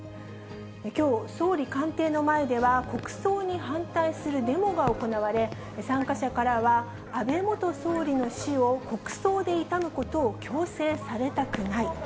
きょう、総理官邸の前では、国葬に反対するデモが行われ、参加者からは、安倍元総理の死を国葬で悼むことを強制されたくない。